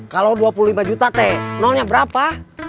kalau dua puluh lima juta teh nolnya berapa